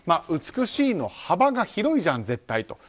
美しいの幅が広いじゃん、絶対。